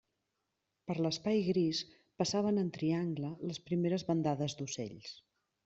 Per l'espai gris passaven en triangle les primeres bandades d'ocells.